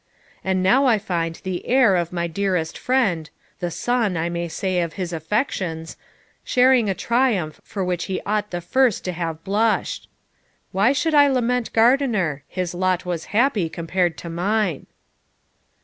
And now I find the heir of my dearest friend the son, I may say, of his affections sharing a triumph for which he ought the first to have blushed. Why should I lament Gardiner? his lot was happy compared to mine!'